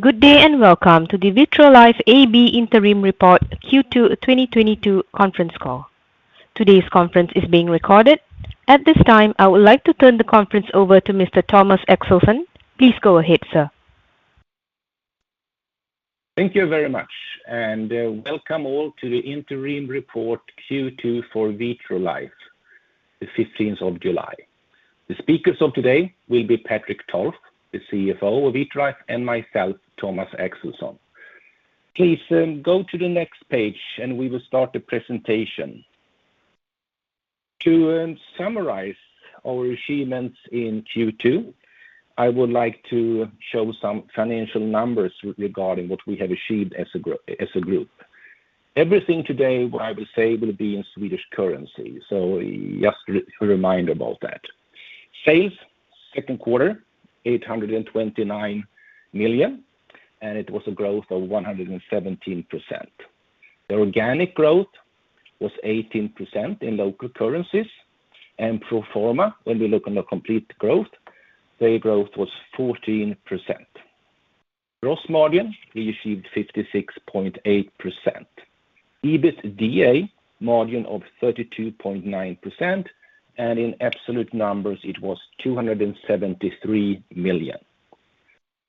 Good day, and welcome to the Vitrolife AB Interim Report Q2 2022 conference call. Today's conference is being recorded. At this time, I would like to turn the conference over to Mr. Thomas Axelsson. Please go ahead, sir. Thank you very much, and welcome all to the interim report Q2 for Vitrolife, the fifteenth of July. The speakers of today will be Patrik Tolf, the CFO of Vitrolife, and myself, Thomas Axelsson. Please go to the next page, and we will start the presentation. To summarize our achievements in Q2, I would like to show some financial numbers regarding what we have achieved as a group. Everything today what I will say will be in Swedish currency, so just a reminder about that. Sales second quarter, 829 million, and it was a growth of 117%. The organic growth was 18% in local currencies. Pro forma, when we look on the complete growth, sale growth was 14%. Gross margin, we achieved 56.8%. EBITDA margin of 32.9%, and in absolute numbers, it was 273 million.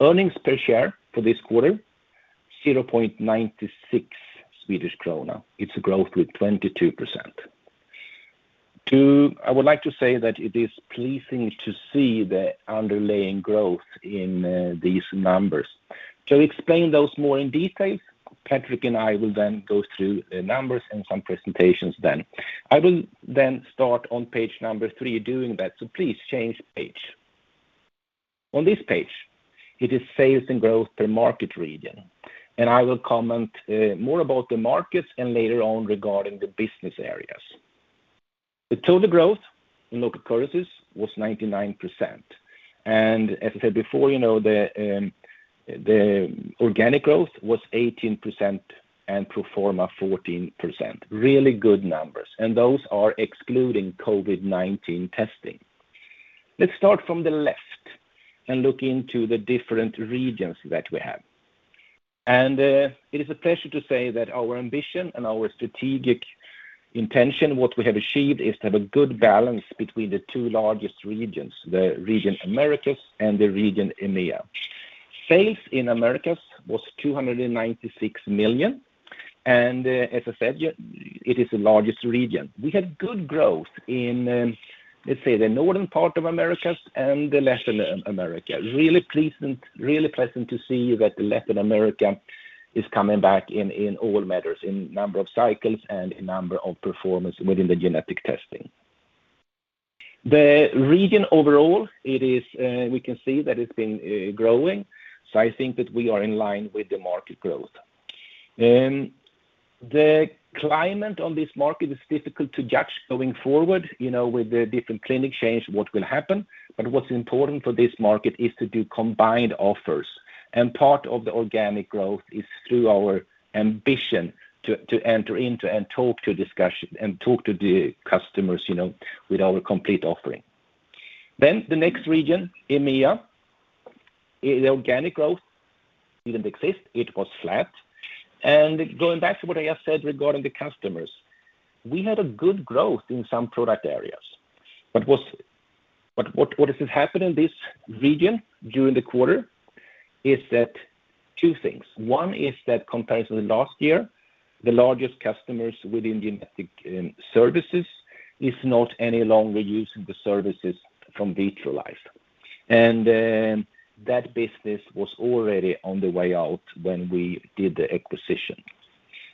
Earnings per share for this quarter, 0.96 Swedish krona. It's a growth of 22%. I would like to say that it is pleasing to see the underlying growth in these numbers. To explain those more in detail, Patrik and I will then go through numbers and some presentations then. I will then start on page number three doing that. Please change page. On this page, it is sales and growth per market region, and I will comment more about the markets and later on regarding the business areas. The total growth in local currencies was 99%. As I said before, you know, the organic growth was 18% and pro forma 14%. Really good numbers, and those are excluding COVID-19 testing. Let's start from the left and look into the different regions that we have. It is a pleasure to say that our ambition and our strategic intention, what we have achieved is to have a good balance between the two largest regions, the region Americas and the region EMEA. Sales in Americas was 296 million, and, as I said, it is the largest region. We had good growth in, let's say the northern part of Americas and the Latin America. Really pleasant to see that the Latin America is coming back in all matters, in number of cycles and in number of performance within the genetic testing. The region overall, we can see that it's been growing. I think that we are in line with the market growth. The climate on this market is difficult to judge going forward, you know, with the different clinic change, what will happen. What's important for this market is to do combined offers. Part of the organic growth is through our ambition to enter into discussions and talk to the customers, you know, with our complete offering. The next region, EMEA, the organic growth didn't exist. It was flat. Going back to what I just said regarding the customers, we had a good growth in some product areas. What has happened in this region during the quarter is that two things. One is that compared to the last year, the largest customers within genetic services is not any longer using the services from Vitrolife. That business was already on the way out when we did the acquisition.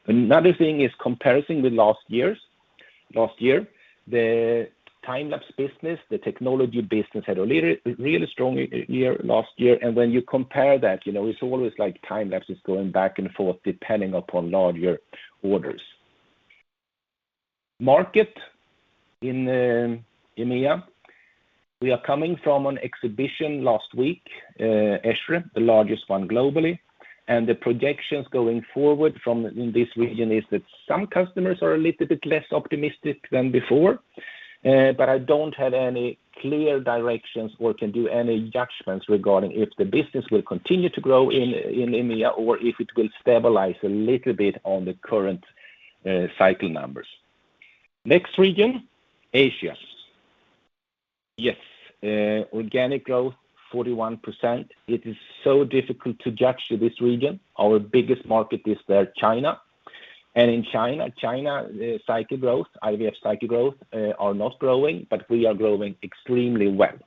Another thing is comparison with last year's. Last year, the time-lapse business, the technology business, had really strong year last year. When you compare that, you know, it's always like time-lapse is going back and forth depending upon larger orders. Market in EMEA, we are coming from an exhibition last week, ESHRE, the largest one globally, and the projections going forward from this region is that some customers are a little bit less optimistic than before. But I don't have any clear directions or can do any judgments regarding if the business will continue to grow in EMEA or if it will stabilize a little bit on the current cycle numbers. Next region, Asia. Yes, organic growth 41%. It is so difficult to judge this region. Our biggest market is China. In China, IVF cycle growth are not growing, but we are growing extremely well.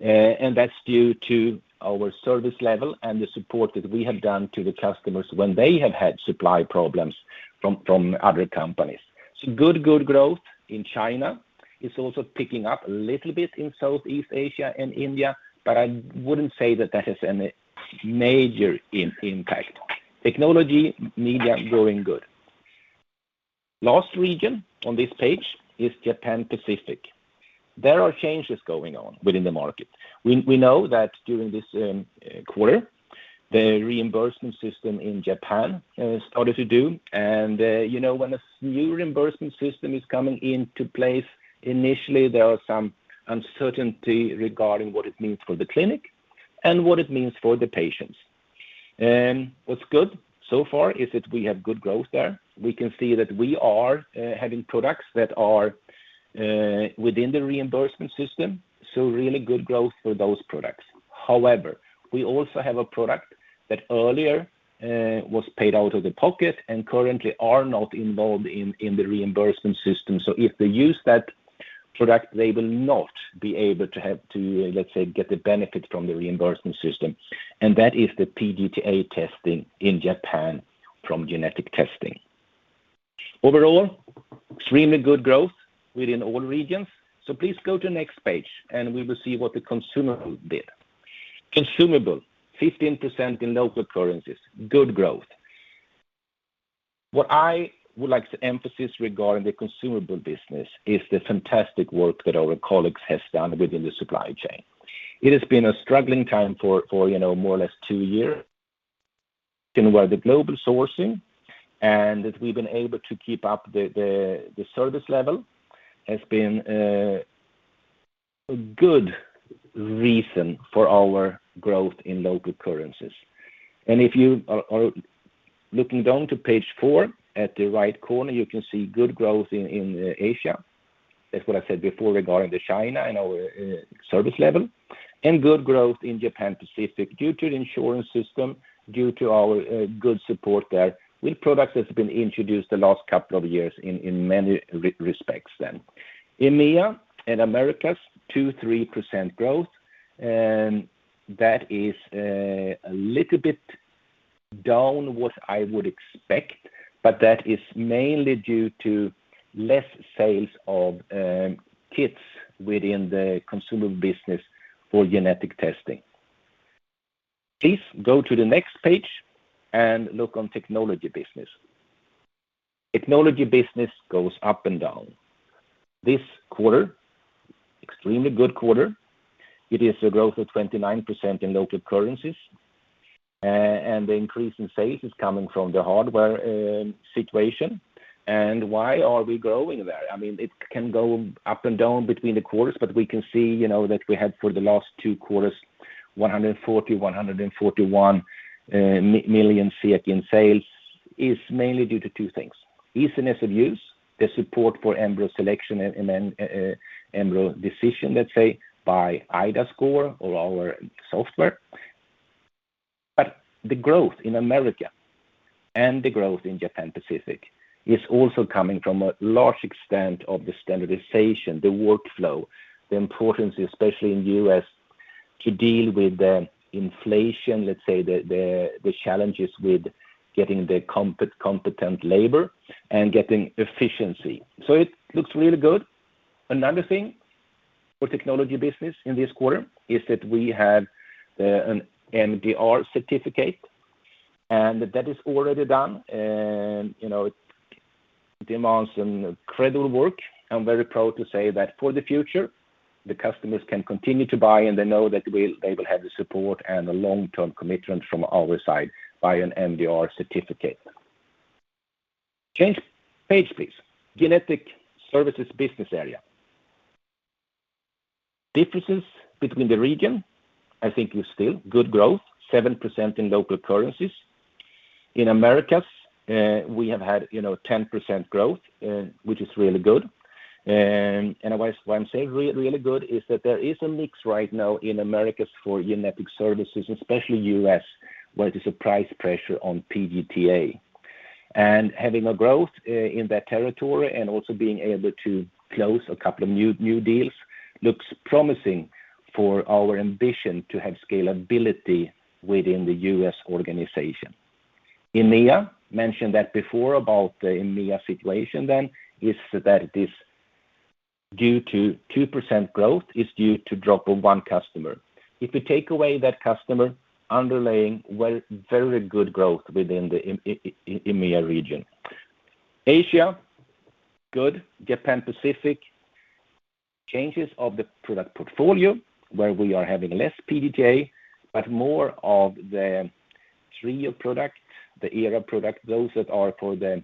That's due to our service level and the support that we have done to the customers when they have had supply problems from other companies. Good growth in China. It's also picking up a little bit in Southeast Asia and India, but I wouldn't say that has any major impact. EMEA growing good. Last region on this page is Japan Pacific. There are changes going on within the market. We know that during this quarter, the reimbursement system in Japan has started to do. You know, when a new reimbursement system is coming into place, initially, there are some uncertainty regarding what it means for the clinic and what it means for the patients. What's good so far is that we have good growth there. We can see that we are having products that are within the reimbursement system, so really good growth for those products. However, we also have a product that earlier was paid out of the pocket and currently are not involved in the reimbursement system. If they use that product, they will not be able to have to, let's say, get the benefit from the reimbursement system, and that is the PGT-A testing in Japan from genetic testing. Overall, extremely good growth within all regions. Please go to next page, and we will see what the consumable did. Consumables, 15% in local currencies. Good growth. What I would like to emphasize regarding the consumables business is the fantastic work that our colleagues has done within the supply chain. It has been a struggling time for you know more or less two years in where the global sourcing and that we've been able to keep up the service level has been a good reason for our growth in local currencies. If you are looking down to page four, at the right corner, you can see good growth in Asia. That's what I said before regarding China and our service level, and good growth in Japan Pacific due to the insurance system, due to our good support there with products that's been introduced the last couple of years in many respects then. EMEA and Americas, 2-3% growth, and that is a little bit down what I would expect, but that is mainly due to less sales of kits within the consumable business for genetic testing. Please go to the next page and look on technology business. Technology business goes up and down. This quarter, extremely good quarter. It is a growth of 29% in local currencies, and the increase in sales is coming from the hardware situation. Why are we growing there? I mean, it can go up and down between the quarters, but we can see, you know, that we had for the last two quarters, 140 million-141 million SEK in sales is mainly due to two things. Ease of use, the support for embryo selection and then embryo decision, let's say, by iDAScore or our software. The growth in America and the growth in Asia-Pacific is also coming from a large extent of the standardization, the workflow, the importance, especially in the U.S., to deal with the inflation, let's say, the challenges with getting competent labor and getting efficiency. It looks really good. Another thing for technology business in this quarter is that we have an MDR certificate, and that is already done. You know, it demands some incredible work. I'm very proud to say that for the future, the customers can continue to buy, and they know that they will have the support and a long-term commitment from our side by an MDR certificate. Change page, please. Genetic services business area. Differences between the region, I think is still good growth, 7% in local currencies. In Americas, we have had, you know, 10% growth, which is really good. Why I'm saying really good is that there is a mix right now in Americas for genetic services, especially U.S., where there's a price pressure on PGT-A. Having a growth in that territory and also being able to close a couple of new deals looks promising for our ambition to have scalability within the U.S. organization. EMEA, mentioned that before about the EMEA situation, then, it is that the 2% growth is due to drop of one customer. If we take away that customer, underlying very good growth within the EMEA region. Asia, good. Asia-Pacific, changes of the product portfolio, where we are having less PGT-A, but more of the other product, the ERA product, those that are for the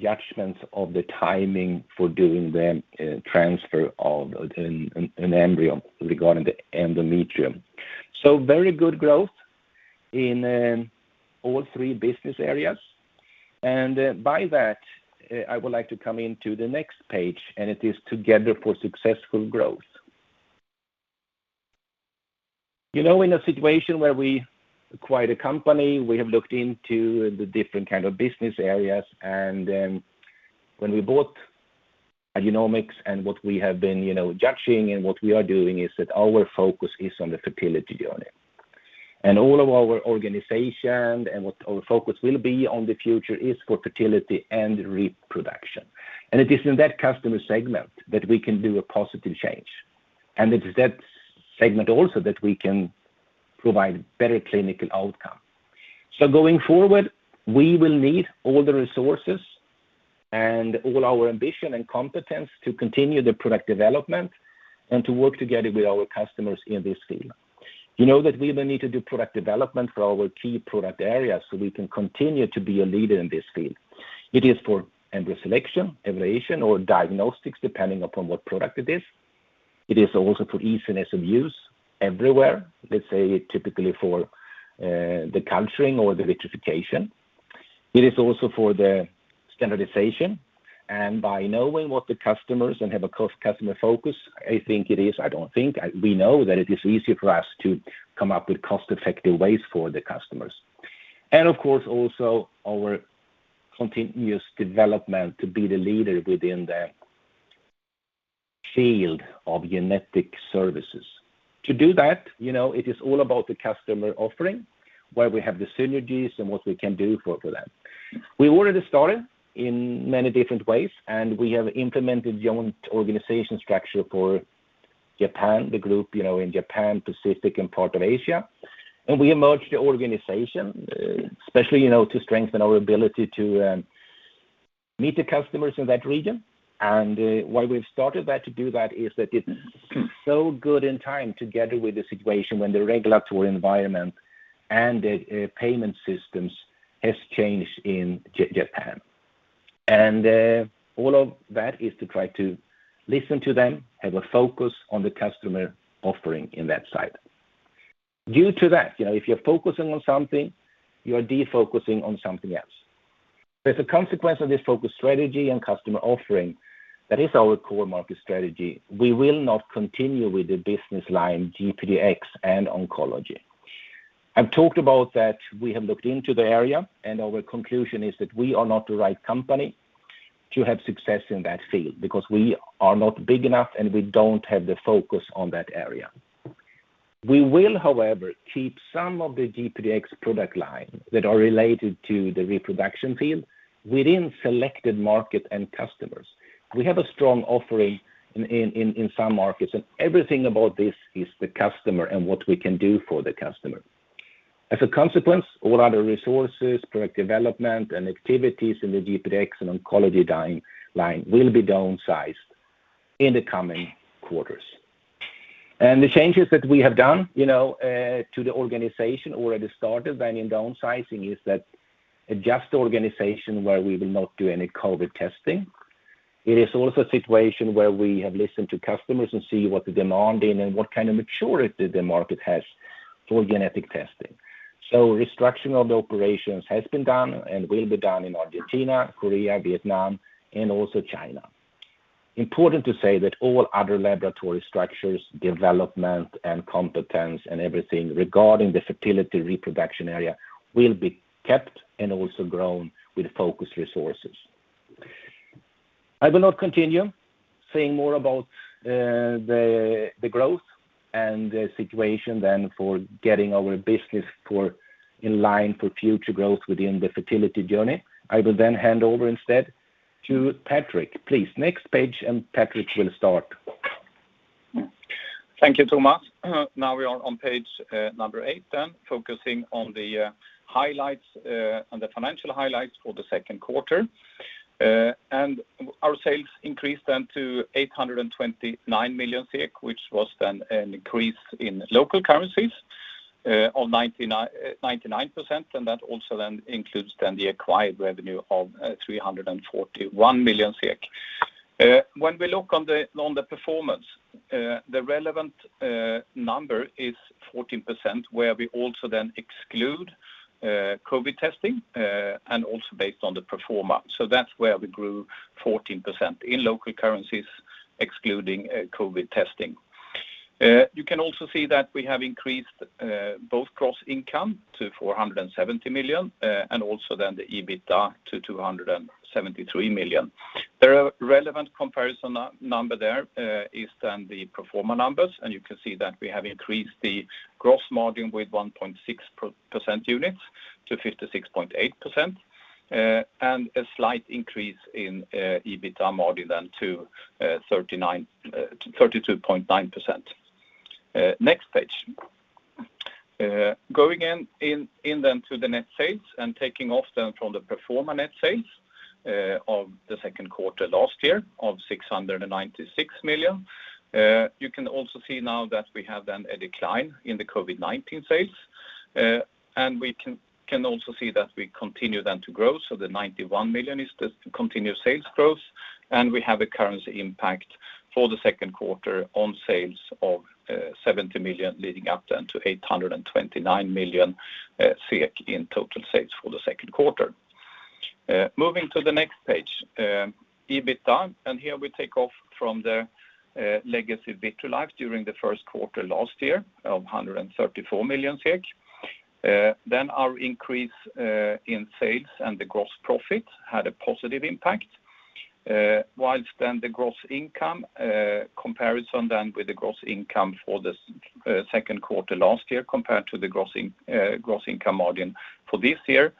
judgments of the timing for doing the transfer of an embryo regarding the endometrium. Very good growth in all three business areas. By that, I would like to come into the next page, and it is Together for Successful Growth. You know, in a situation where we acquire the company, we have looked into the different kind of business areas. When we bought Igenomix and what we have been, you know, judging and what we are doing is that our focus is on the fertility journey. All of our organization and what our focus will be on the future is for fertility and reproduction. It is in that customer segment that we can do a positive change, and it is that segment also that we can provide better clinical outcome. Going forward, we will need all the resources and all our ambition and competence to continue the product development and to work together with our customers in this field. You know that we will need to do product development for our key product areas so we can continue to be a leader in this field. It is for embryo selection, evaluation, or diagnostics, depending upon what product it is. It is also for easiness of use everywhere, let's say typically for the culturing or the vitrification. It is also for the standardization. By knowing what the customers want and have a customer focus, we know that it is easy for us to come up with cost-effective ways for the customers. Of course, also our continuous development to be the leader within the field of genetic services. To do that, you know, it is all about the customer offering, where we have the synergies and what we can do for them. We already started in many different ways, and we have implemented joint organization structure for Japan, the group, you know, in Japan, Pacific, and part of Asia. We merged the organization, especially, you know, to strengthen our ability to meet the customers in that region. Why we've started that, to do that is that it's so good in time together with the situation when the regulatory environment and the payment systems has changed in Japan. All of that is to try to listen to them, have a focus on the customer offering in that side. Due to that, you know, if you're focusing on something, you're defocusing on something else. As a consequence of this focus strategy and customer offering, that is our core market strategy, we will not continue with the business line GPDx and Oncology. I've talked about that we have looked into the area, and our conclusion is that we are not the right company to have success in that field because we are not big enough, and we don't have the focus on that area. We will, however, keep some of the GPDx product line that are related to the reproduction field within selected market and customers. We have a strong offering in some markets, and everything about this is the customer and what we can do for the customer. As a consequence, all other resources, product development, and activities in the GPDx and Oncology line will be downsized in the coming quarters. The changes that we have done, you know, to the organization already started then in downsizing is that adjust the organization where we will not do any COVID testing. It is also a situation where we have listened to customers and see what the demand and then what kind of maturity the market has for genetic testing. Restructuring of the operations has been done and will be done in Argentina, Korea, Vietnam, and also China. Important to say that all other laboratory structures, development, and competence, and everything regarding the fertility reproduction area will be kept and also grown with focused resources. I will not continue saying more about the growth and the situation then for getting our business in line for future growth within the fertility journey. I will then hand over instead to Patrik. Please, next page, and Patrik will start. Thank you, Thomas. Now we are on page eight then, focusing on the highlights on the financial highlights for the second quarter. Our sales increased then to 829 million, which was then an increase in local currencies of 99%, and that also then includes the acquired revenue of 341 million SEK. When we look on the performance, the relevant number is 14%, where we also then exclude COVID testing and also based on the pro forma. That's where we grew 14% in local currencies, excluding COVID testing. You can also see that we have increased both gross income to 470 million and also then the EBITDA to 273 million. The relevant comparison number there is the pro forma numbers, and you can see that we have increased the gross margin with 1.6 percentage points to 56.8%, and a slight increase in EBITDA margin then to 32.9%. Next page. Going into the net sales and taking off then from the pro forma net sales of the second quarter last year of 696 million. You can also see now that we have then a decline in the COVID-19 sales. We can also see that we continue then to grow. The 91 million is the continued sales growth. We have a currency impact for the second quarter on sales of 70 million leading up then to 829 million SEK in total sales for the second quarter. Moving to the next page, EBITDA, and here we take off from the legacy Vitrolife during the first quarter last year of 134 million SEK. Then our increase in sales and the gross profit had a positive impact. Whilst the gross income comparison with the gross income for the second quarter last year compared to the gross income margin for this year,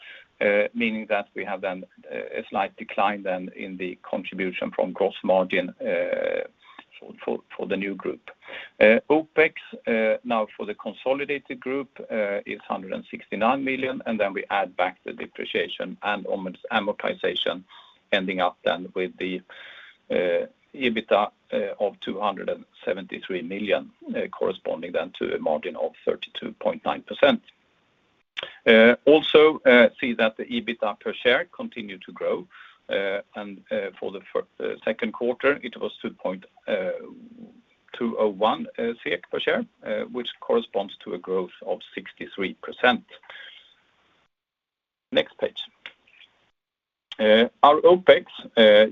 meaning that we have a slight decline in the contribution from gross margin, for the new group. OpEx now for the consolidated group is 169 million, and then we add back the depreciation and amortization ending up then with the EBITDA of 273 million, corresponding then to a margin of 32.9%. Also see that the EBITDA per share continued to grow. For the second quarter, it was 2.201 SEK per share, which corresponds to a growth of 63%. Next page. Our OpEx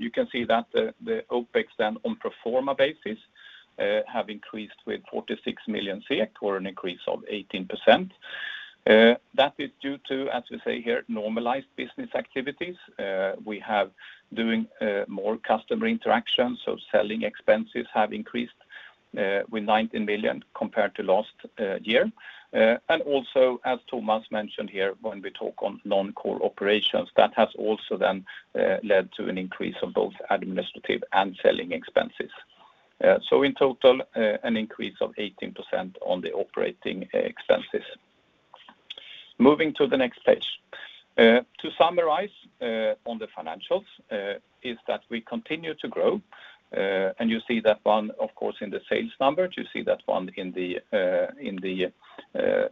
you can see that the OpEx then on pro forma basis have increased with 46 million SEK or an increase of 18%. That is due to, as we say here, normalized business activities. We are doing more customer interactions, so selling expenses have increased with 19 million compared to last year. Also as Thomas mentioned here, when we talk about non-core operations, that has also led to an increase of both administrative and selling expenses. In total, an increase of 18% in the operating expenses. Moving to the next page. To summarize the financials is that we continue to grow. You see that, of course, in the sales numbers. You see that in the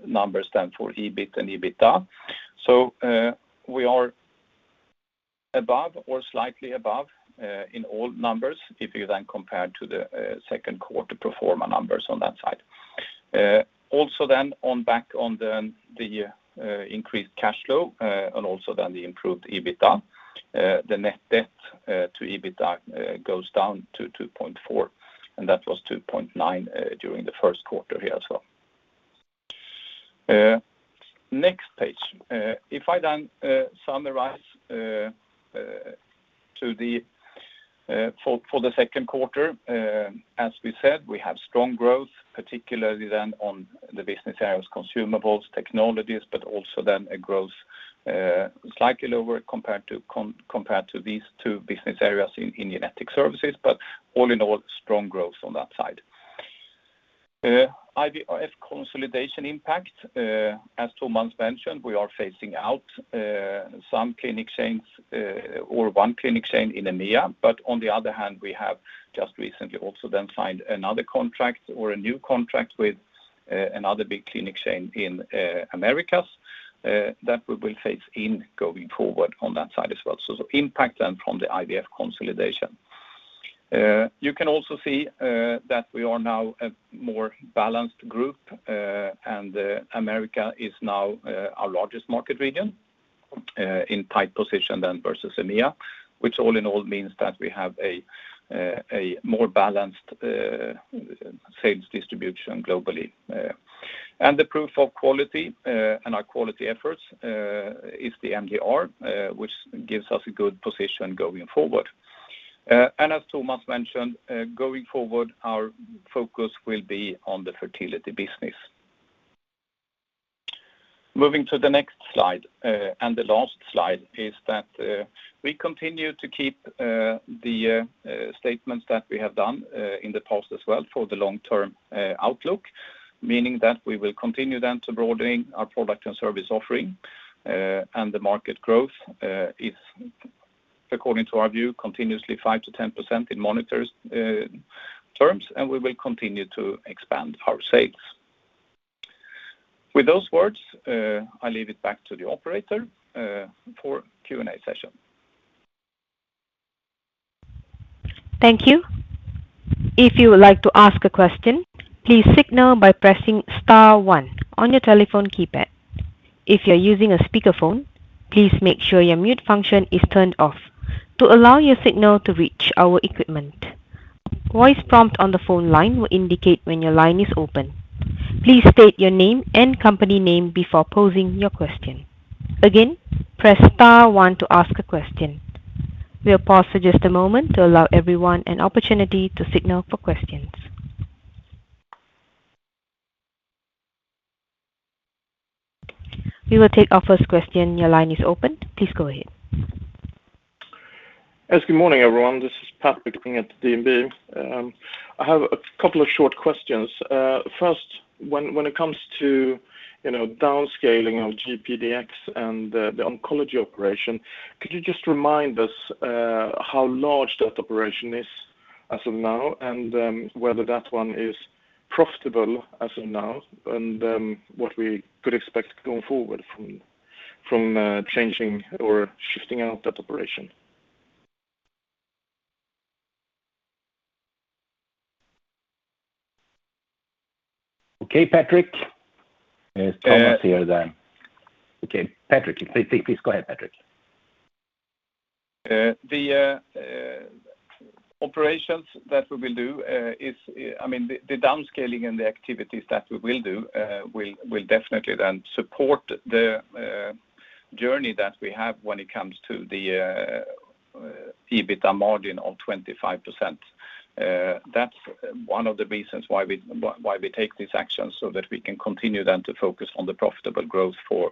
numbers for EBIT and EBITDA. We are above or slightly above in all numbers if you compare to the second quarter pro forma numbers on that side. Also then on back on the increased cash flow, and also then the improved EBITDA, the net debt to EBITDA goes down to 2.4, and that was 2.9 during the first quarter here as well. Next page. If I then summarize for the second quarter, as we said, we have strong growth, particularly then on the business areas, consumables, technologies, but also then a growth, slightly lower compared to these two business areas in genetic services. All in all, strong growth on that side. IVF consolidation impact, as Thomas mentioned, we are phasing out some clinic chains, or one clinic chain in EMEA. On the other hand, we have just recently also then signed another contract or a new contract with another big clinic chain in America that we will phase in going forward on that side as well. Impact then from the IVF consolidation. You can also see that we are now a more balanced group. America is now our largest market region in right position then versus EMEA, which all in all means that we have a more balanced sales distribution globally. The proof of quality and our quality efforts is the MDR, which gives us a good position going forward. As Thomas mentioned, going forward our focus will be on the fertility business. Moving to the next slide. The last slide is that we continue to keep the statements that we have done in the past as well for the long-term outlook. Meaning that we will continue then to broadening our product and service offering, and the market growth is according to our view, continuously 5%-10% in monetary terms, and we will continue to expand our sales. With those words, I leave it back to the operator for Q&A session. Thank you. If you would like to ask a question, please signal by pressing star one on your telephone keypad. If you're using a speakerphone, please make sure your mute function is turned off to allow your signal to reach our equipment. Voice prompt on the phone line will indicate when your line is open. Please state your name and company name before posing your question. Again, press star one to ask a question. We'll pause for just a moment to allow everyone an opportunity to signal for questions. We will take our first question. Your line is open. Please go ahead. Yes, good morning, everyone. This is Patrik Ling at DNB. I have a couple of short questions. First, when it comes to, you know, downscaling of GPDx and the oncology operation, could you just remind us how large that operation is as of now, and whether that one is profitable as of now, and what we could expect going forward from changing or shifting out that operation? Okay, Patrik. It's Thomas here then. Okay, Patrik, please go ahead, Patrik. The operations that we will do is, I mean, the downscaling and the activities that we will do, will definitely then support the journey that we have when it comes to the EBITDA margin of 25%. That's one of the reasons why we take this action so that we can continue then to focus on the profitable growth for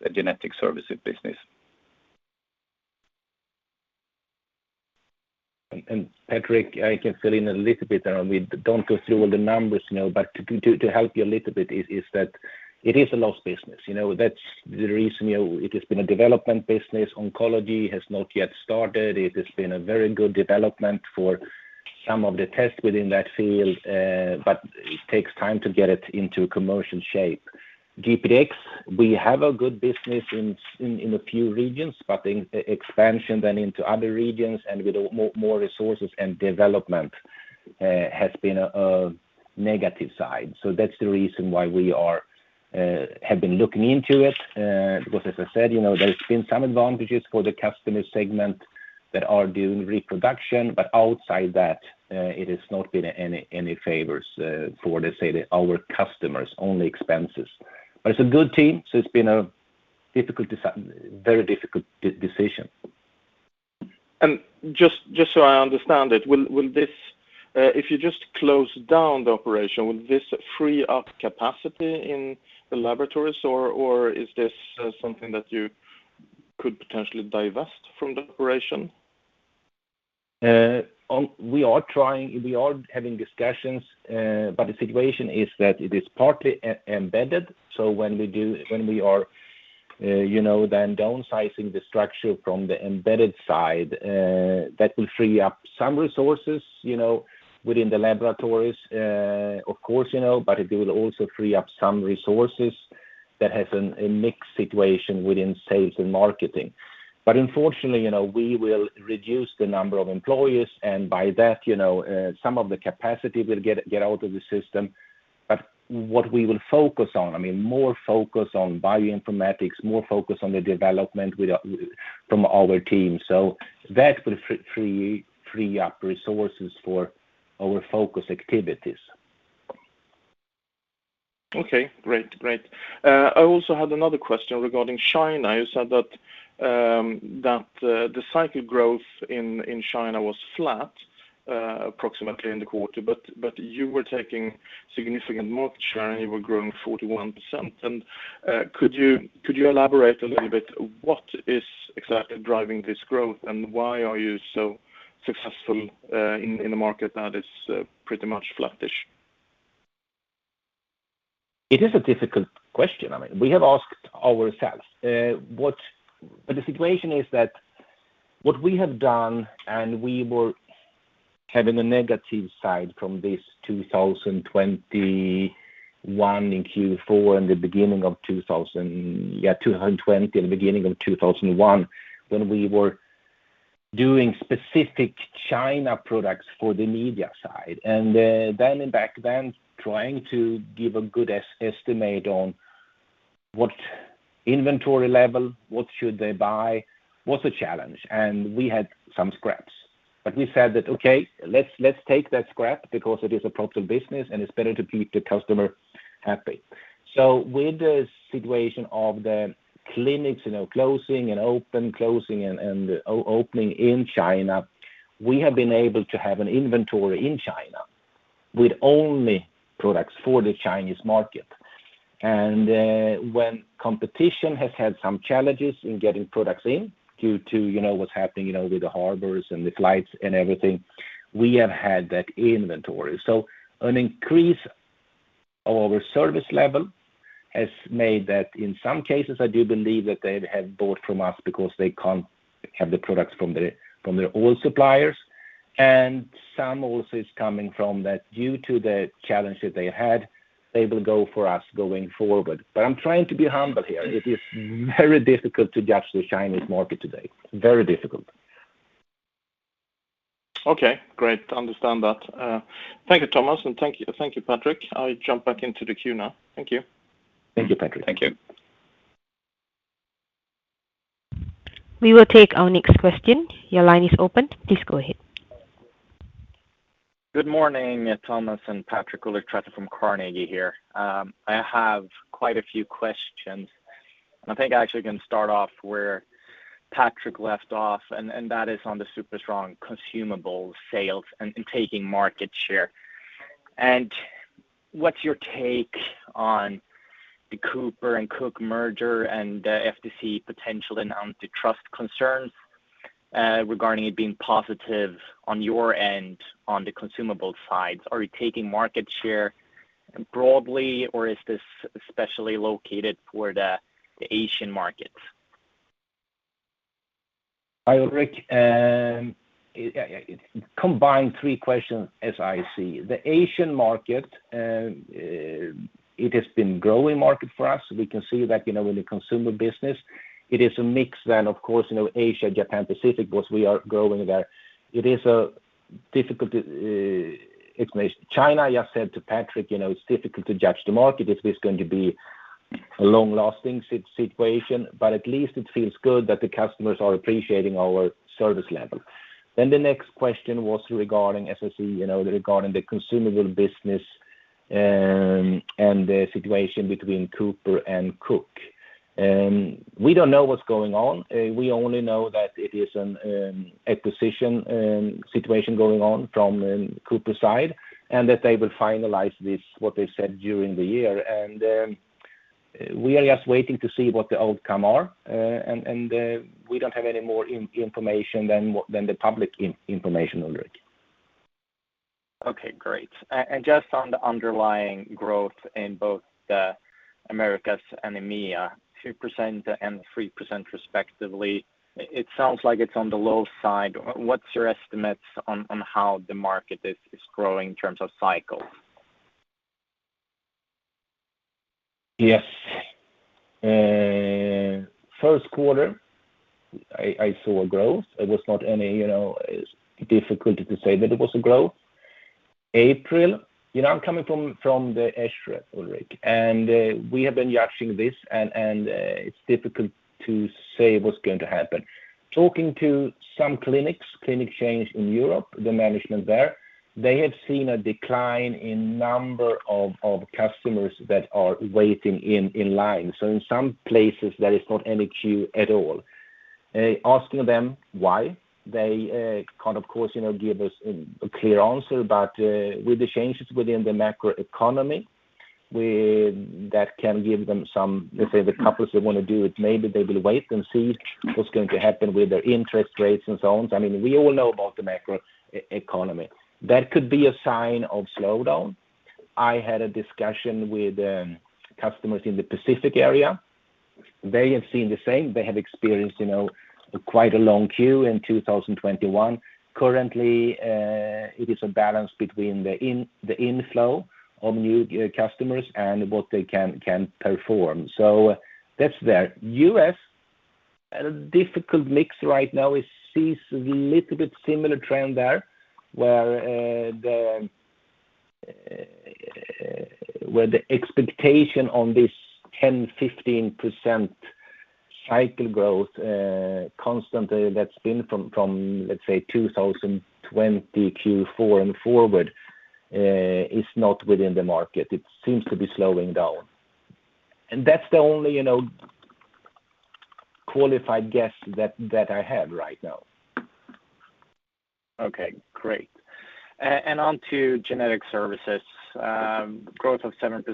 the genetic services business. Patrik, I can fill in a little bit. Don't go through all the numbers, you know, but to help you a little bit is that it is a lost business, you know. That's the reason, you know, it has been a development business. Oncology has not yet started. It has been a very good development for some of the tests within that field, but it takes time to get it into commercial shape. GPDx, we have a good business in a few regions, but in expansion then into other regions and with more resources and development, has been a negative side. That's the reason why we have been looking into it, because as I said, you know, there's been some advantages for the customer segment that are doing reproduction, but outside that, it has not been any favors for, let's say, our customers, only expenses. It's a good team, so it's been a very difficult decision. Just so I understand it, if you just close down the operation, will this free up capacity in the laboratories? Or is this something that you could potentially divest from the operation? We are trying. We are having discussions, but the situation is that it is partly embedded. When we are, you know, then downsizing the structure from the embedded side, that will free up some resources, you know, within the laboratories. Of course, you know, but it will also free up some resources that has a mixed situation within sales and marketing. Unfortunately, you know, we will reduce the number of employees, and by that, you know, some of the capacity will get out of the system. What we will focus on, I mean, more focus on bioinformatics, more focus on the development from our team. That will free up resources for our focus activities. Okay, great. I also had another question regarding China. You said that the cycle growth in China was flat approximately in the quarter, but you were taking significant market share, and you were growing 41%. Could you elaborate a little bit what is exactly driving this growth, and why are you so successful in a market that is pretty much flattish? It is a difficult question. I mean, we have asked ourselves. The situation is that what we have done, and we were having a negative side from this 2021 in Q4 and the beginning of 2022 and the beginning of 2023, when we were doing specific China products for the media side. Then and back then, trying to give a good estimate on what inventory level, what should they buy, was a challenge, and we had some scraps. We said that, "Okay, let's take that scrap because it is a profitable business, and it's better to keep the customer happy." With the situation of the clinics, you know, closing and opening in China, we have been able to have an inventory in China with only products for the Chinese market. When competition has had some challenges in getting products in due to, you know, what's happening, you know, with the harbors and the flights and everything, we have had that inventory. An increase of our service level has made that. In some cases, I do believe that they have bought from us because they can't have the products from their old suppliers. Some also is coming from that due to the challenges they had, they will go for us going forward. I'm trying to be humble here. It is very difficult to judge the Chinese market today. Very difficult. Okay, great to understand that. Thank you, Thomas, and thank you, Patrik. I'll jump back into the queue now. Thank you. Thank you, Patrik. Thank you. We will take our next question. Your line is open. Please go ahead. Good morning, Thomas and Patrik. Ulrik Trattner from Carnegie here. I have quite a few questions, and I think I actually can start off where Patrik left off, and that is on the super strong consumable sales and taking market share. What's your take on the CooperSurgical and Cook Medical merger and the FTC potential antitrust concerns, regarding it being positive on your end on the consumable side? Are you taking market share broadly, or is this especially located for the Asian markets? Hi, Ulrik. It combined three questions as I see. The Asian market, it has been growing market for us. We can see that, you know, in the consumer business. It is a mix then, of course, you know, Asia, Japan, Pacific, because we are growing there. It is a difficult explanation. China, I said to Patrik, you know, it's difficult to judge the market if it's going to be a long-lasting situation, but at least it feels good that the customers are appreciating our service level. The next question was regarding FTC, you know, regarding the consumable business, and the situation between Cooper and Cook. We don't know what's going on. We only know that it is an acquisition situation going on from Cooper side and that they will finalize this, what they said during the year. We are just waiting to see what the outcome are, and we don't have any more information than the public information, Ulrik. Okay, great. Just on the underlying growth in both the Americas and EMEA, 2% and 3% respectively, it sounds like it's on the low side. What's your estimates on how the market is growing in terms of cycles? Yes. First quarter, I saw growth. It was not any difficulty to say that it was a growth. April. I'm coming from the ESHRE, Ulrik, and we have been watching this and it's difficult to say what's going to happen. Talking to some clinics, clinic chains in Europe, the management there, they have seen a decline in number of customers that are waiting in line. In some places, there is not any queue at all. Asking them why, they can of course give us a clear answer, but with the changes within the macroeconomy, that can give them some. Let's say the couples that wanna do it, maybe they will wait and see what's going to happen with their interest rates and loans. I mean, we all know about the macroeconomy. That could be a sign of slowdown. I had a discussion with customers in the Pacific area. They have seen the same. They have experienced, you know, quite a long queue in 2021. Currently, it is a balance between the inflow of new customers and what they can perform. So that's that. U.S., a difficult mix right now. We see a little bit similar trend there, where the expectation on this 10-15% cycle growth constantly that's been from, let's say, 2020 Q4 and forward is not within the market. It seems to be slowing down. That's the only, you know, qualified guess that I have right now. Okay, great. Onto genetic services. Growth of 7%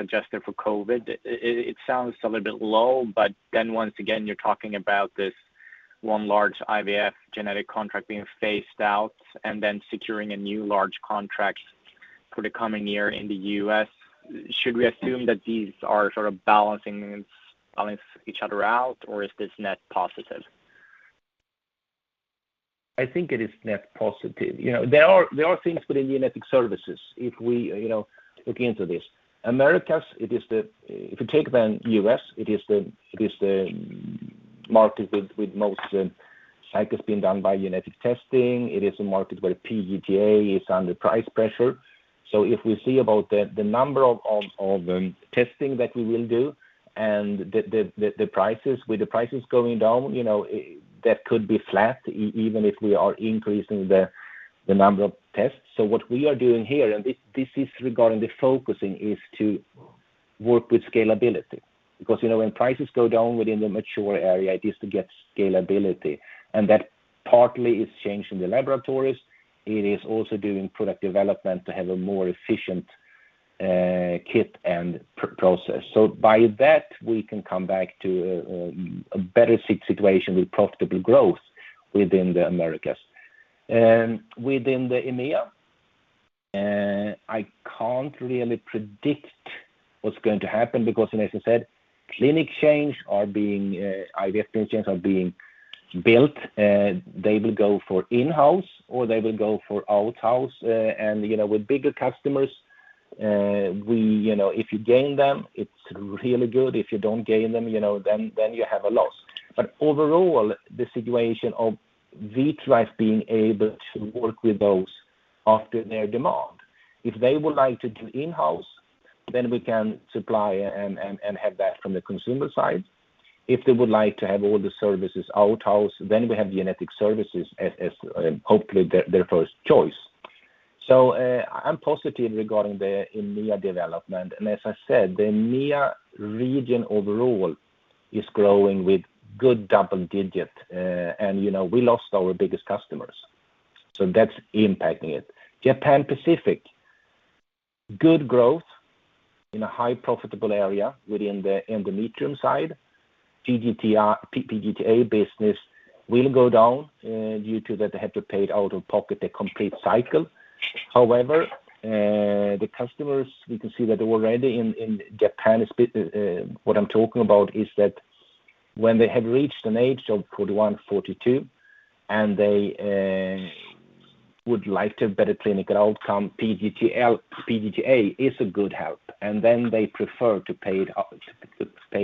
adjusted for COVID. It sounds a little bit low, but then once again, you're talking about this one large IVF genetic contract being phased out and then securing a new large contract for the coming year in the U.S. Should we assume that these are sort of balancing each other out, or is this net positive? I think it is net positive. You know, there are things within genetic services if we, you know, look into this. Americas, it is the. If you take the U.S., it is the market with most cycles being done by genetic testing. It is a market where PGT-A is under price pressure. If we see about the number of testing that we will do and the prices, with the prices going down, you know, that could be flat even if we are increasing the number of tests. What we are doing here, and this is regarding the focusing, is to work with scalability. Because, you know, when prices go down within the mature area, it is to get scalability. That partly is changing the laboratories. It is also doing product development to have a more efficient kit and process. By that, we can come back to a better situation with profitable growth within the Americas. Within the EMEA, I can't really predict what's going to happen because, as I said, IVF chains are being built. They will go for in-house or they will go for outsourcing. You know, with bigger customers, you know, if you gain them, it's really good. If you don't gain them, you know, then you have a loss. Overall, the situation of Vitrolife being able to work with those and adapt to their demand. If they would like to do in-house, then we can supply and have that from the consumables side. If they would like to have all the services in-house, then we have genetic services as hopefully their first choice. I'm positive regarding the EMEA development. As I said, the EMEA region overall is growing with good double-digit. You know, we lost our biggest customers, so that's impacting it. Japan Pacific, good growth in a highly profitable area within the endometrium side. PGT-A business will go down due to that they have to pay out-of-pocket the complete cycle. However, the customers, we can see that already in Japan, what I'm talking about is that when they have reached an age of 41-42, and they would like to have better clinical outcome, PGT-A is a good help, and then they prefer to pay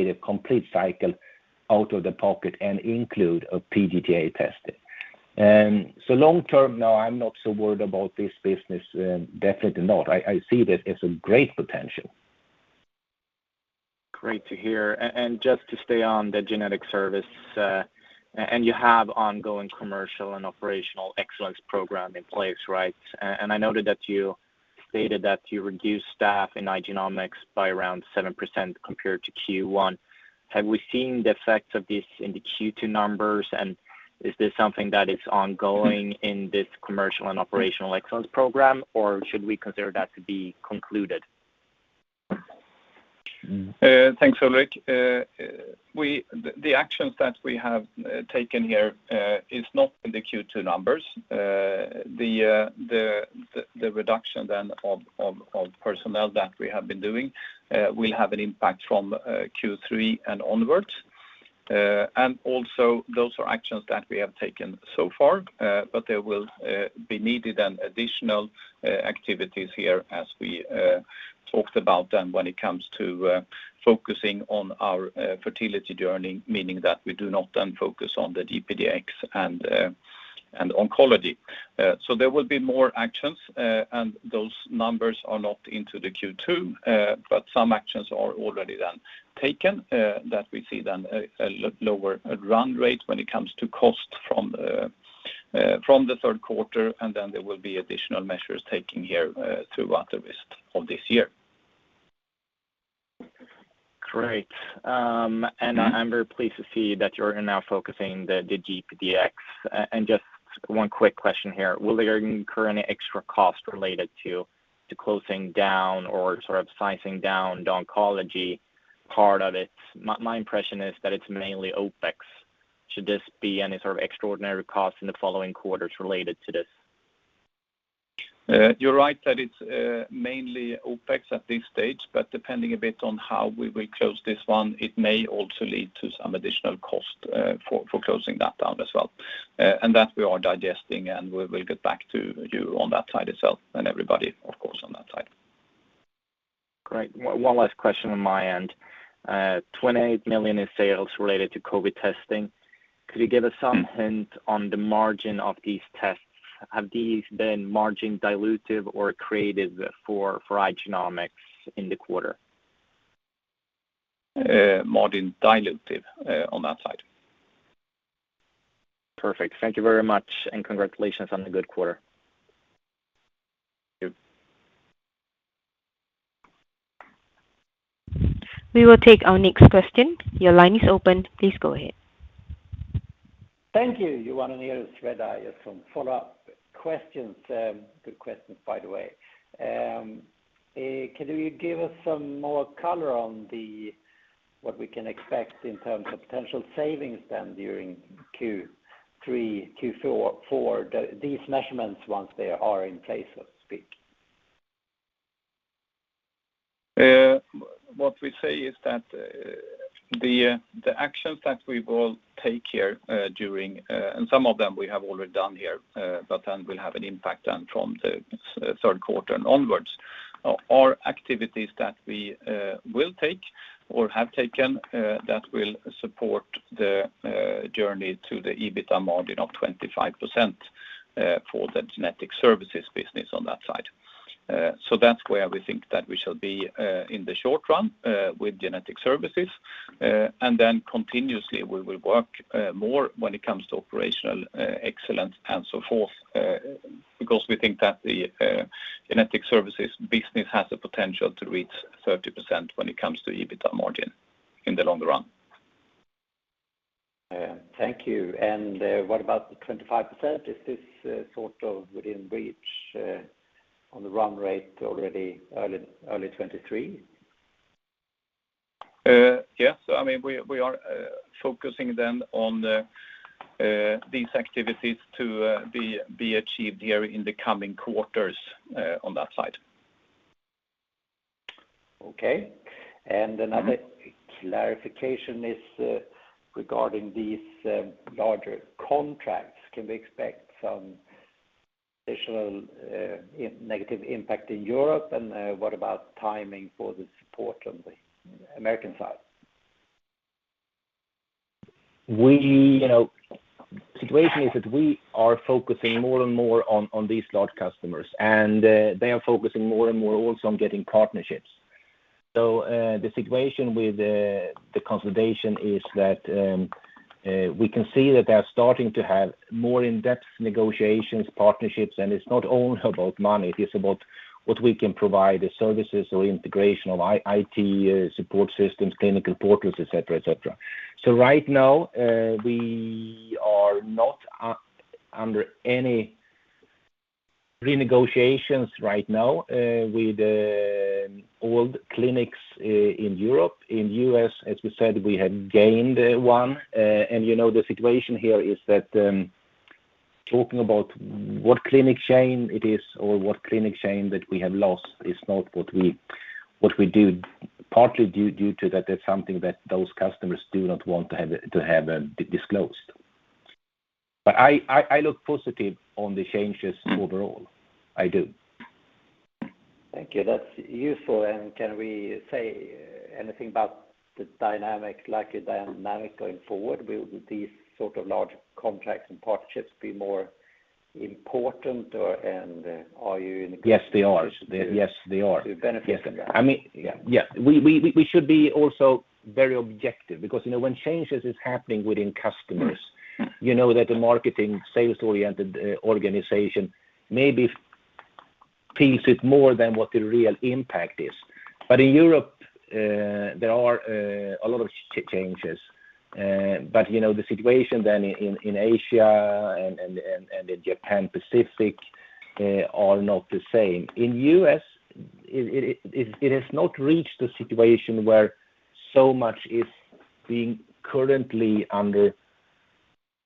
the complete cycle out of the pocket and include a PGT-A testing. Long term, no, I'm not so worried about this business, definitely not. I see that it's a great potential. Great to hear. Just to stay on the genetic service, you have ongoing commercial and operational excellence program in place, right? I noted that you stated that you reduced staff in Igenomix by around 7% compared to Q1. Have we seen the effects of this in the Q2 numbers, and is this something that is ongoing in this commercial and operational excellence program, or should we consider that to be concluded? Thanks, Ulrik. The actions that we have taken here is not in the Q2 numbers. The reduction then of personnel that we have been doing will have an impact from Q3 and onwards. Also those are actions that we have taken so far, but there will be needed an additional activities here as we talked about them when it comes to focusing on our fertility journey, meaning that we do not then focus on the GPDx and oncology. There will be more actions, and those numbers are not in the Q2. Some actions are already then taken that we see then a lower run rate when it comes to cost from the third quarter, and then there will be additional measures taken here throughout the rest of this year. Great. I'm very pleased to see that you're now focusing on the GPDx. Just one quick question here. Will there incur any extra cost related to closing down or sort of scaling down the oncology part of it? My impression is that it's mainly OpEx. Should there be any sort of extraordinary cost in the following quarters related to this? You're right that it's mainly OpEx at this stage, but depending a bit on how we will close this one, it may also lead to some additional cost for closing that down as well. That we are digesting, and we'll get back to you on that side itself and everybody, of course, on that side. Great. One last question on my end. 28 million in sales related to COVID testing. Could you give us some hint on the margin of these tests? Have these been margin dilutive or accretive for Igenomix in the quarter? Margin dilutive on that side. Perfect. Thank you very much, and congratulations on the good quarter. Thank you. We will take our next question. Your line is open. Please go ahead. Thank you. Johan Nilsson, Redeye. Some follow-up questions. Good questions, by the way. Can you give us some more color on what we can expect in terms of potential savings then during Q3, Q4 for these measurements once they are in place, so to speak? What we say is that the actions that we will take here during and some of them we have already done here but then will have an impact then from the third quarter and onwards are activities that we will take or have taken that will support the journey to the EBITDA margin of 25% for the genetic services business on that side. That's where we think that we shall be in the short run with genetic services. Continuously, we will work more when it comes to operational excellence and so forth because we think that the genetic services business has the potential to reach 30% when it comes to EBITDA margin in the long run. Thank you. What about the 25%? Is this sort of within reach on the run rate already early 2023? Yes. I mean, we are focusing then on these activities to be achieved here in the coming quarters, on that side. Okay. Another clarification is, regarding these larger contracts. Can we expect some additional negative impact in Europe? What about timing for the support on the American side? Situation is that we are focusing more and more on these large customers, and they are focusing more and more also on getting partnerships. The situation with the consolidation is that we can see that they're starting to have more in-depth negotiations, partnerships, and it's not only about money. It is about what we can provide, the services or integration of IT support systems, clinical portals, et cetera. Right now, we are not under any renegotiations right now with the old clinics in Europe. In U.S., as we said, we have gained one. You know, the situation here is that talking about what clinic chain it is or what clinic chain that we have lost is not what we do, partly due to that's something that those customers do not want to have disclosed. I look positive on the changes overall. I do. Thank you. That's useful. Can we say anything about the dynamic, likely dynamic going forward? Will these sort of large contracts and partnerships be more important or and are you in a good- Yes, they are. Position to. Yes, they are. To benefit from that? I mean, yeah. We should be also very objective because, you know, when changes is happening within customers, you know that the marketing sales-oriented organization maybe perceives it more than what the real impact is. In Europe, there are a lot of changes. You know, the situation then in Asia and in Japan Pacific. are not the same. In U.S., it has not reached the situation where so much is being currently under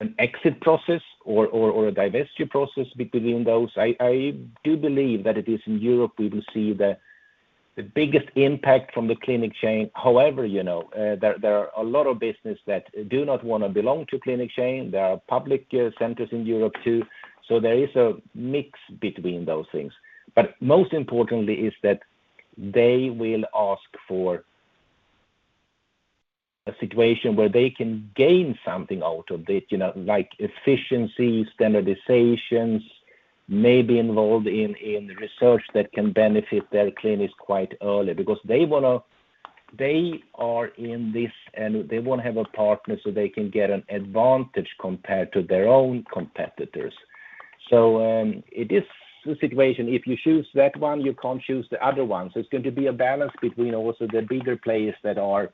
an exit process or a divestiture process between those. I do believe that it is in Europe we will see the biggest impact from the clinic chain. However, you know, there are a lot of business that do not wanna belong to clinic chain. There are public centers in Europe too, so there is a mix between those things. Most importantly is that they will ask for a situation where they can gain something out of it, you know, like efficiency, standardizations, maybe involved in research that can benefit their clinics quite early because they are in this and they wanna have a partner so they can get an advantage compared to their own competitors. It is a situation if you choose that one, you can't choose the other one. It's going to be a balance between also the bigger players that are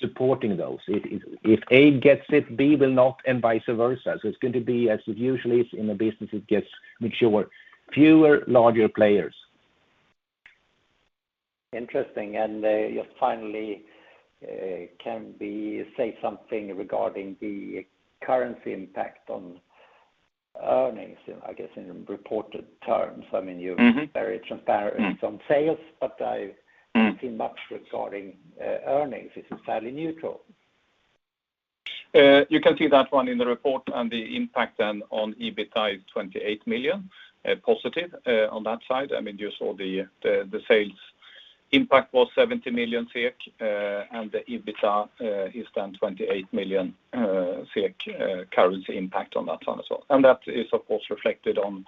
supporting those. If A gets it, B will not, and vice versa. It's going to be as it usually is in the business, it gets mature, fewer larger players. Interesting. Just finally, can we say something regarding the currency impact on earnings, I guess in reported terms? I mean, you. Mm-hmm. Very transparent on sales, but I Mm. See much regarding earnings is entirely neutral. You can see that one in the report and the impact then on EBITDA is 28 million, positive, on that side. I mean, you saw the sales impact was 70 million SEK, and the EBITDA is then 28 million SEK, currency impact on that one as well. That is of course reflected on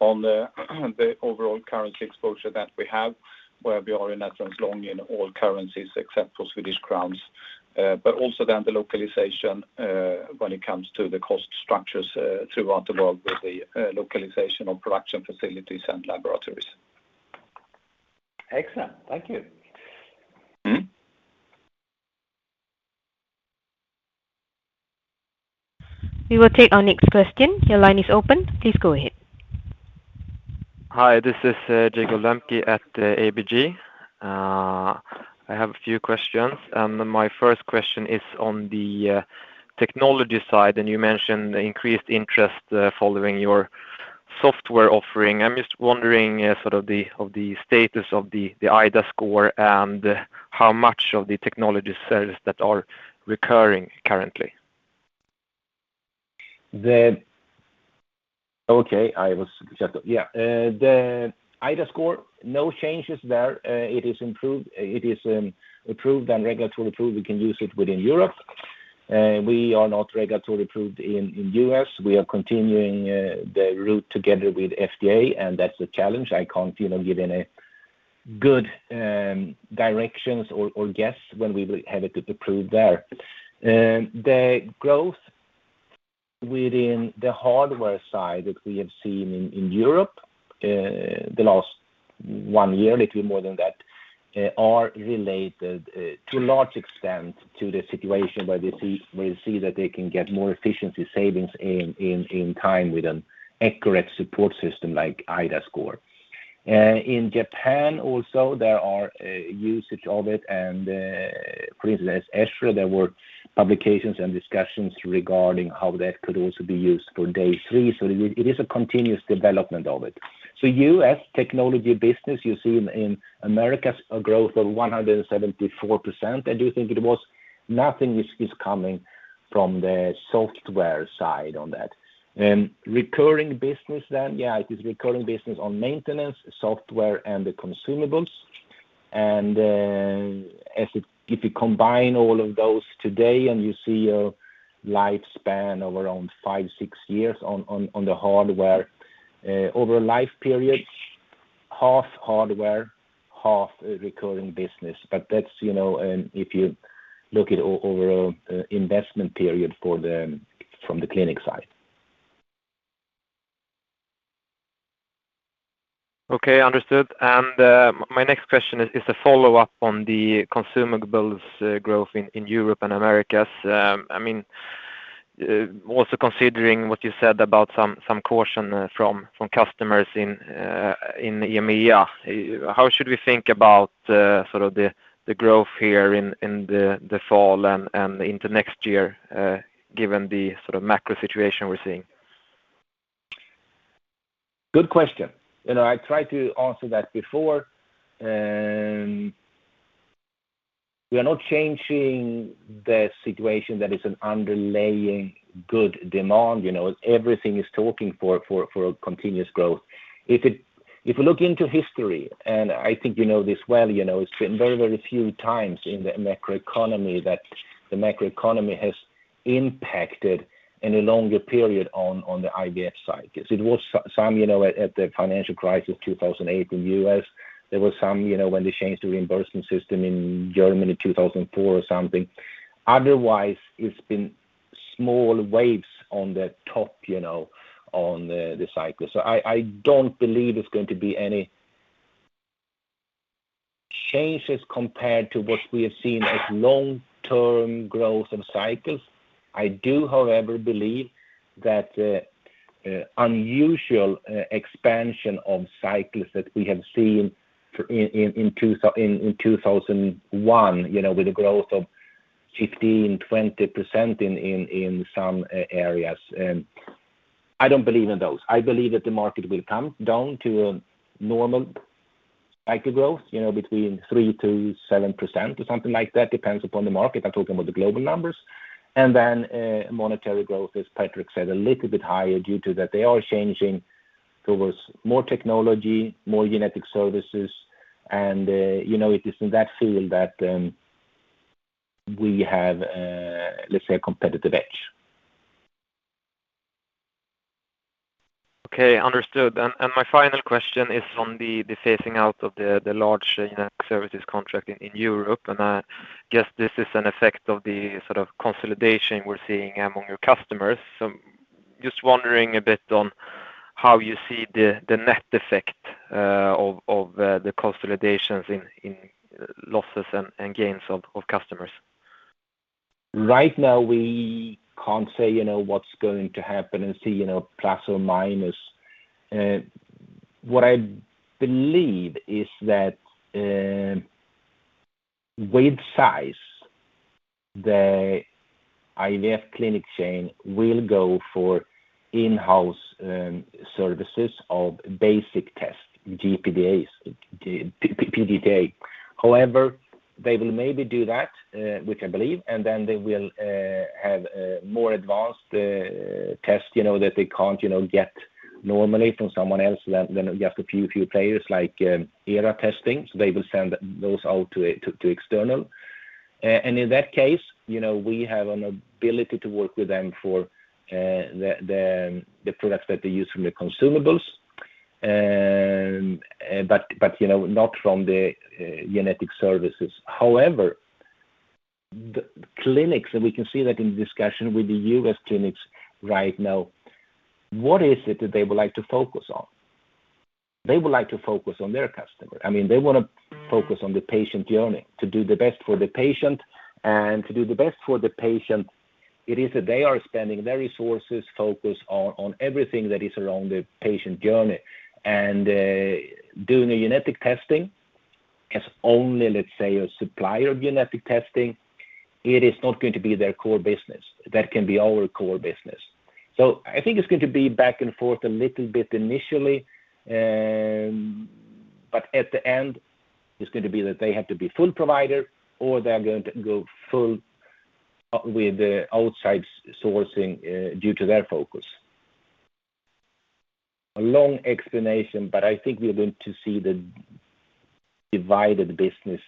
the overall currency exposure that we have, where we are long in all currencies except for Swedish krona. Also the localization, when it comes to the cost structures, throughout the world with the localization of production facilities and laboratories. Excellent. Thank you. Mm. We will take our next question. Your line is open. Please go ahead. Hi, this is Jakob Lembke at ABG. I have a few questions, and my first question is on the technology side, and you mentioned increased interest following your software offering. I'm just wondering sort of the status of the iDAScore and how much of the technology sales that are recurring currently. Okay, I was. Sure. Yeah. The iDAScore, no changes there. It is improved. It is approved and regulatory approved. We can use it within Europe. We are not regulatory approved in the U.S. We are continuing the route together with FDA, and that's the challenge. I can't, you know, give any good directions or guess when we will have it approved there. The growth within the hardware side that we have seen in Europe the last one year, little more than that, are related to large extent to the situation where you see that they can get more efficiency savings in time with an accurate support system like iDAScore. In Japan also, there are usage of it and, for instance, ESHRE, there were publications and discussions regarding how that could also be used for day three. It is a continuous development of it. U.S. technology business, you see in America's growth of 174%. I do think nothing is coming from the software side on that. Recurring business then, yeah, it is recurring business on maintenance, software and the consumables. As if you combine all of those today and you see a lifespan of around 5-6 years on the hardware, over life periods, half hardware, half recurring business. That's, you know, if you look at overall investment period from the clinic side. Okay. Understood. My next question is a follow-up on the consumables growth in Europe and Americas. I mean, also considering what you said about some caution from customers in EMEA, how should we think about sort of the growth here in the fall and into next year, given the sort of macro situation we're seeing? Good question. You know, I tried to answer that before. We are not changing the situation that is an underlying good demand. You know, everything is talking for a continuous growth. If you look into history, and I think you know this well, you know, it's been very few times in the macro economy that the macro economy has impacted in a longer period on the IVF side. 'Cause it was some, you know, at the financial crisis, 2008 in U.S., there was some, you know, when they changed the reimbursement system in Germany in 2004 or something. Otherwise, it's been small waves on the top, you know, on the cycle. I don't believe it's going to be any changes compared to what we have seen as long-term growth and cycles. I do, however, believe that unusual expansion of cycles that we have seen in 2001, you know, with a growth of 15-20% in some areas. I don't believe in those. I believe that the market will come down to a normal cycle growth, you know, between 3%-7% or something like that. Depends upon the market. I'm talking about the global numbers. Then, monetary growth, as Patrik said, a little bit higher due to that they are changing towards more technology, more genetic services, and, you know, it is in that field that we have, let's say a competitive edge. Okay, understood. My final question is on the phasing out of the large genetic services contract in Europe. I guess this is an effect of the sort of consolidation we're seeing among your customers. Just wondering a bit on how you see the net effect of the consolidations in losses and gains of customers. Right now we can't say, you know, what's going to happen and see, you know, plus or minus. What I believe is that with size, the IVF clinic chain will go for in-house services of basic tests, GPDx, PGT-A. However, they will maybe do that, which I believe, and then they will have more advanced test, you know, that they can't, you know, get normally from someone else. You have a few players like ERA Testing, so they will send those out to external. In that case, you know, we have an ability to work with them for the products that they use from the consumables, but you know, not from the genetic services. However, the clinics, and we can see that in discussion with the U.S. clinics right now, what is it that they would like to focus on? They would like to focus on their customer. I mean, they wanna focus on the patient journey, to do the best for the patient. To do the best for the patient, it is that they are spending their resources focused on everything that is around the patient journey. Doing a genetic testing as only, let's say, a supplier of genetic testing, it is not going to be their core business. That can be our core business. I think it's going to be back and forth a little bit initially. At the end, it's going to be that they have to be full provider or they're going to go full with the outside sourcing due to their focus. A long explanation, I think we're going to see the divided business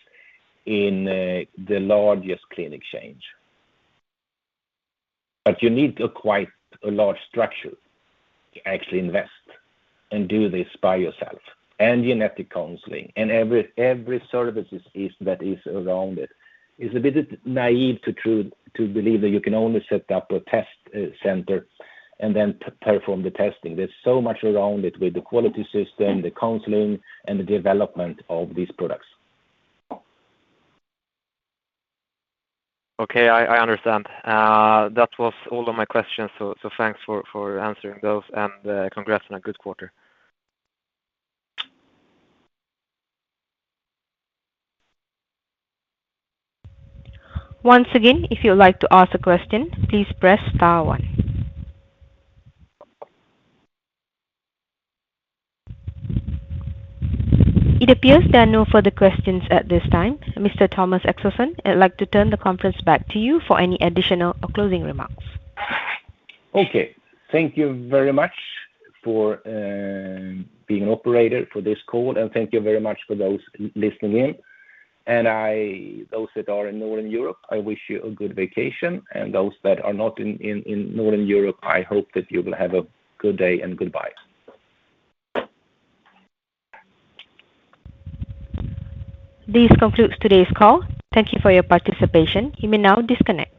in the largest clinic change. You need quite a large structure to actually invest and do this by yourself, and genetic counseling, and every services is that is around it. It's a bit naive to believe that you can only set up a test center and then perform the testing. There's so much around it with the quality system, the counseling, and the development of these products. Okay. I understand. That was all of my questions. Thanks for answering those and congrats on a good quarter. Once again, if you would like to ask a question, please press star one. It appears there are no further questions at this time. Mr. Thomas Axelsson, I'd like to turn the conference back to you for any additional or closing remarks. Okay. Thank you very much for being operator for this call, and thank you very much for those listening in. Those that are in Northern Europe, I wish you a good vacation. Those that are not in Northern Europe, I hope that you will have a good day, and goodbye. This concludes today's call. Thank you for your participation. You may now disconnect.